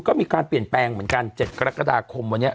ก็มีการเปลี่ยนแปลงเหมือนกัน๗กรกฎาคมวันนี้